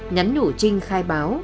nhắn nhủ trinh khai báo